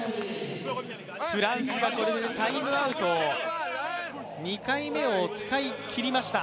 フランスがこれでタイムアウトの２回目を使い切りました